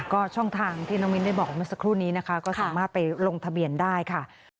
ก็ช่องทางที่น้องมิ้นได้บอกเมื่อสักครู่นี้นะคะก็สามารถไปลงทะเบียนได้ค่ะ